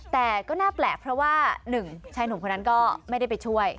แต่ก็น่าแปลกเพราะว่าหนึ่งชายหนุ่มคนนั้นก็ไม่ได้ไปช่วย